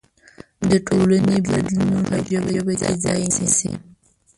د ټولنې بدلونونه په ژبه کې ځای نيسي.